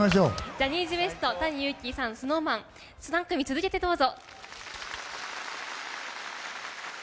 ジャニーズＷＥＳＴＴａｎｉＹｕｕｋｉさんＳｎｏｗＭａｎ３組続けてどうぞ。